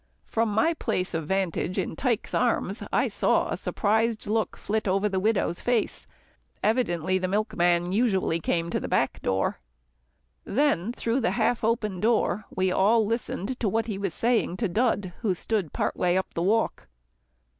From my place of vantage in Tike's arms, I saw a surprised look flit over the widow's face. Evidently, the man came usually to the back door. Then, through the half open door, we all listened to what he was saying to Dud who stood part way up the walk.